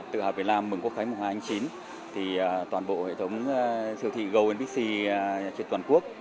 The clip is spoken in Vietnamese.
trong các siêu thị gonpc trên toàn quốc